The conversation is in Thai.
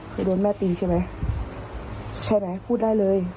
คือโดนแม่ตีใช่ไหมใช่ไหมพูดได้เลย